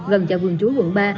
gần chạy vườn chú quận ba